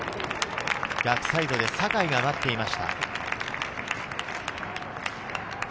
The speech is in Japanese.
逆サイドで坂井が待っていました。